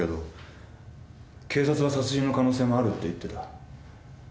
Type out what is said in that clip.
警察は「殺人の可能性もある」って言ってた。